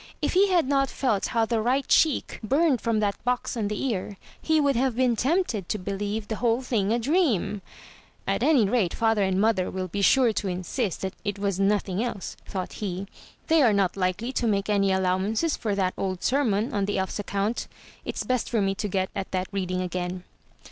If he had not felt how the right cheek burned from that box on the ear, he would have been tempted to believe the whole thing a dream. "At any rate, father and mother will be sure to insist that it was 413 MY BOO K HOUSE nothing else/' thought he. "They are not likely to make any allowances for that old sermon, on the elf's account. It's best for me to get at that reading again."